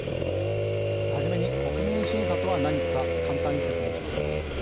はじめに、国民審査とは何か簡単に説明します。